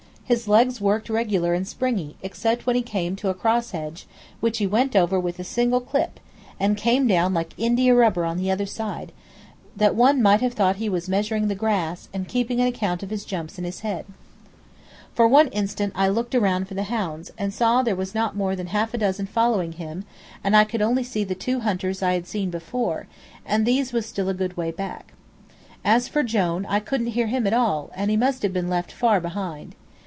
His legs worked so regular and springy, except when he came to a cross hedge, which he went over with a single clip, and came down like India rubber on the other side, that one might have thought he was measuring the grass, and keeping an account of his jumps in his head. [Illustration: "In an instant I was free."] For one instant I looked around for the hounds, and I saw there was not more than half a dozen following him, and I could only see the two hunters I had seen before, and these was still a good way back. As for Jone, I couldn't hear him at all, and he must have been left far behind.